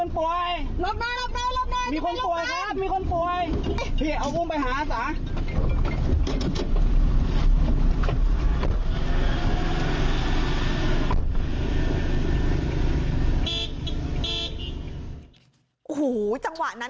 น้องเจ้าใกล้สุดเลยอ่ะ